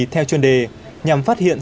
theo chuyên đề nhằm phát hiện